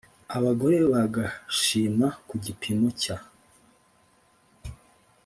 abagore bagashima ku gipimo cya